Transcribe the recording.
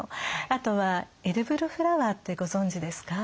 あとはエディブルフラワーってご存じですか？